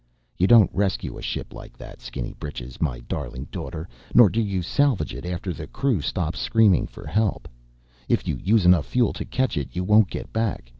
You don't rescue a ship like that, skinny britches, my darling daughter. Nor do you salvage it after the crew stops screaming for help. If you use enough fuel to catch it, you won't get back.